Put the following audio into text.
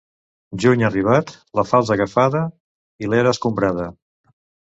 Juny arribat, la falç agafada i l'era escombrada.